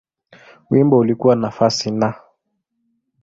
Wimbo ulikuwa nafasi Na.